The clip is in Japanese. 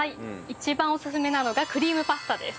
一番おすすめなのがクリームパスタです。